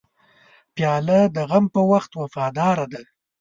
پیاله د غم په وخت وفاداره ده.